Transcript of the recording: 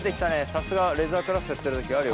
さすがはレザークラフトやってるだけあるよ。